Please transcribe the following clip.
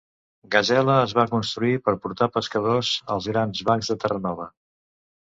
"Gazela" es va construir per portar pescadors als Grans Bancs de Terranova.